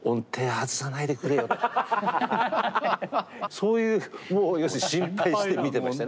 そういう要するに心配して見てましたね。